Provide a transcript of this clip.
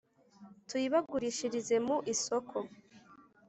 tuyibagurishirize mu isoko